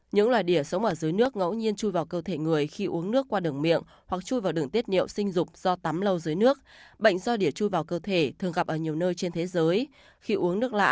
những loài đỉa sống ở dưới nước ngẫu nhiên chui vào cơ thể người khi uống nước qua đường miệng hoặc chui vào đường tiết niệu sinh dục do tắm lâu dưới nước